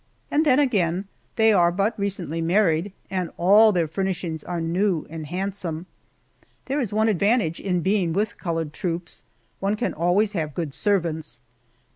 And then, again, they are but recently married, and all their furnishings are new and handsome. There is one advantage in being with colored troops one can always have good servants. Mrs.